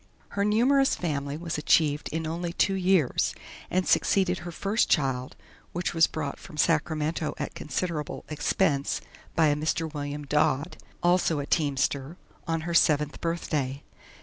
Her numerous family was achieved in only two years, and succeeded her first child, which was brought from Sacramento at considerable expense by a Mr. William Dodd, also a teamster, on her seventh birthday.